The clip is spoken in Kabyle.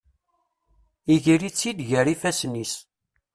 Iger-itt-id gar ifasen-is.